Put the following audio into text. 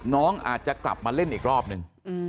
น้องอาจจะกลับมาเล่นอีกรอบนึง